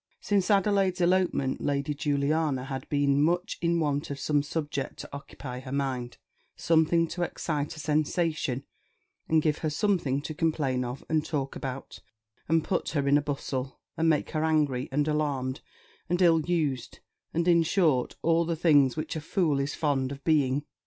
Since Adelaide's elopement Lady Juliana had been much in want of some subject to occupy her mind something to excite a sensation, and give her something to complain of, and talk about, and put her in a bustle, and make her angry, and alarmed, and ill used, and, in short, all the things which a fool is fond of being.